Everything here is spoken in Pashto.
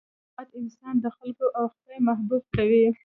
سخاوت انسان د خلکو او خدای محبوب کوي.